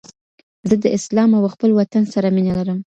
زه د اسلام او خپل وطن سره مینه لرم